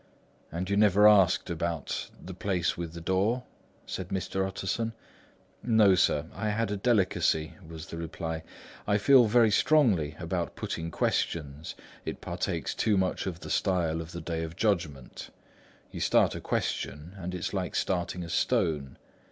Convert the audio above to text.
"And you never asked about the—place with the door?" said Mr. Utterson. "No, sir; I had a delicacy," was the reply. "I feel very strongly about putting questions; it partakes too much of the style of the day of judgment. You start a question, and it's like starting a stone.